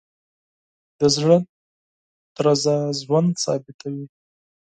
د زړه درزا ژوند ثابتوي.